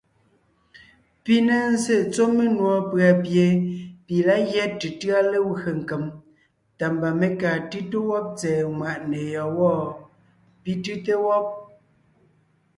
Pi ne zsé tsɔ́ menùɔ pʉ̀a pie pi lǎ gyɛ́ tʉtʉ́a legwé nkem, tá mba mé kaa tʉ́te wɔ́b tsɛ̀ɛ nwàʼne yɔ́ɔn wɔ́? pi tʉ́te wɔ́b.